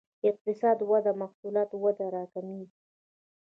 اقتصادي وده محصولات وده راکمېږي.